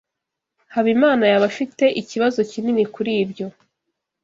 Habimana yaba afite ikibazo kinini kuri ibyo.